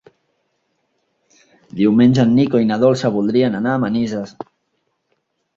Diumenge en Nico i na Dolça voldrien anar a Manises.